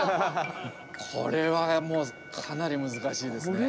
これはもうかなり難しいですね。